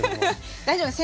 大丈夫です。